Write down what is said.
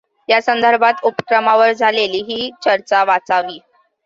या संदर्भात उपक्रमावर झालेली ही चर्चा वाचावी.